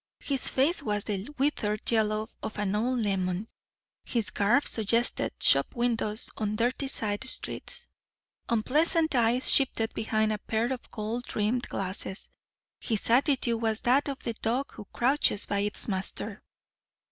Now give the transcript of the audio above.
His face was the withered yellow of an old lemon; his garb suggested shop windows on dirty side streets; unpleasant eyes shifted behind a pair of gold rimmed glasses. His attitude was that of the dog who crouches by its master.